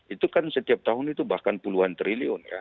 itu kan setiap tahun itu bahkan puluhan triliun ya